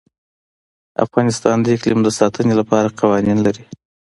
افغانستان د اقلیم د ساتنې لپاره قوانین لري.